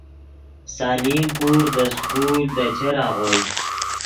سلیم پور دے سکول دے چر آغوئے